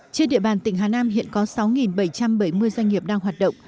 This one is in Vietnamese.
trên địa bàn tỉnh hà nam hiện có sáu bảy trăm bảy mươi doanh nghiệp đang hoạt động